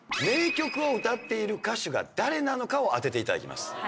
名曲を歌っている歌手が誰なのかを当てていただきます。